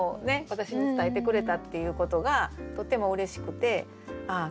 私に伝えてくれたっていうことがとってもうれしくてああ